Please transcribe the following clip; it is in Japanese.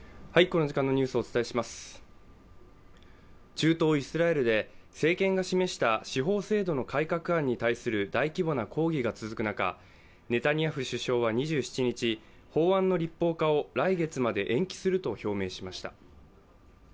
中東イスラエルで政権が示した司法制度の改革案に対する大規模な抗議が続く中、ネタニヤフ首相は２７日、法案の立法化を来月まで延期すると表明しました。